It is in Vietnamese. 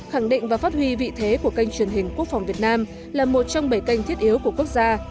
khẳng định và phát huy vị thế của kênh truyền hình quốc phòng việt nam là một trong bảy kênh thiết yếu của quốc gia